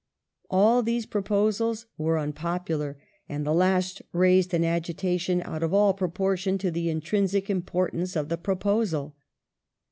All these proposals were unpopular, and the last raised an agitation out of all propor a tion to the intrinsic importance of the proposal.